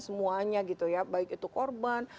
semuanya gitu ya baik itu korban